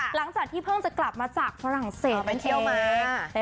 หลังจากที่เพิ่งจะกลับมาจากฝรั่งเศสไปเที่ยวมา